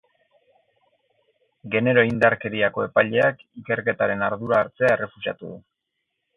Genero indarkeriako epaileak ikerketaren ardura hartzea errefusatu du.